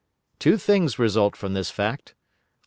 Two things result from this fact.